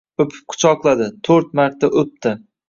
O’pib quchoqladi… To’rt marta o’pdi…